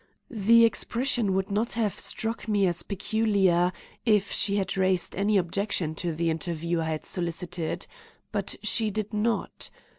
The expression would not have struck me as peculiar if she had raised any objection to the interview I had solicited. But she did not.